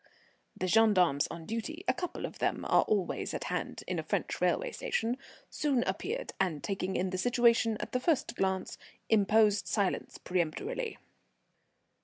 The gendarmes on duty a couple of them are always at hand in a French railway station soon appeared, and, taking in the situation at the first glance, imposed silence peremptorily.